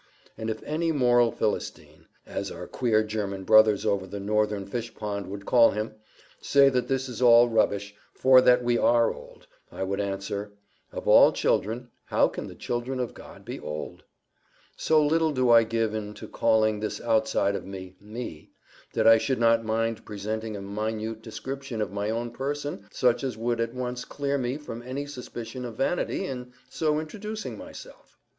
And if any moral Philistine, as our queer German brothers over the Northern fish pond would call him, say that this is all rubbish, for that we ARE old, I would answer: "Of all children how can the children of God be old?" So little do I give in to calling this outside of me, ME, that I should not mind presenting a minute description of my own person such as would at once clear me from any suspicion of vanity in so introducing myself.